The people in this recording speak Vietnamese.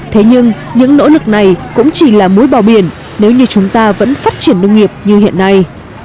thế nhưng những nỗ lực này cũng chỉ là mối bò biển nếu như chúng ta vẫn phát triển nông nghiệp như hiện nay